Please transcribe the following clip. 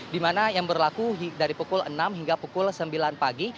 di mana yang berlaku dari pukul enam hingga pukul sembilan pagi